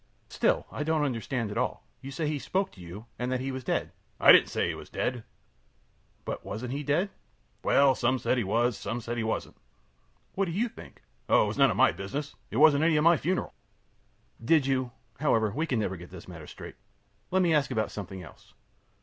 Q. Still, I don't understand it at all. You say he spoke to you, and that he was dead. A. I didn't say he was dead. Q. But wasn't he dead? A. Well, some said he was, some said he wasn't. Q. What did you think? A. Oh, it was none of my business! It wasn't any of my funeral. Q. Did you However, we can never get this matter straight. Let me ask about something else.